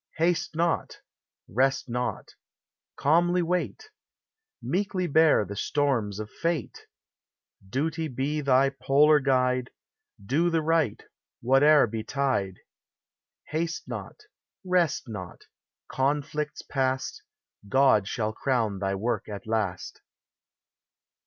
Haste not ! Rest not! Calmly wait | Meekly bear the storms of fate! Duty be thy polar guide, — Do the right, whate'er betide! Haste not ! Rest not ! i kmflicta past, God shall crown thy work at last.